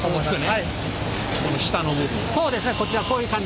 はい。